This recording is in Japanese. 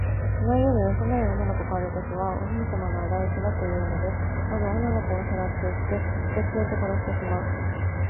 その家に幼い女の子があるときは、お姫さまのあだ討ちだというので、まず女の子をさらっていって、人知れず殺してしまう。